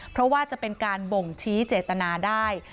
เพราะว่าจะเป็นการบ่งชี้เจตนาได้